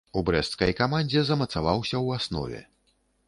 У брэсцкай камандзе замацаваўся ў аснове.